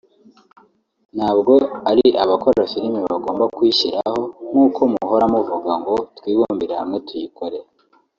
…) ntabwo ari abakora filime bagomba kuyishyiraho nk’uko muhora muvuga ngo twibumbire hamwe tuyikore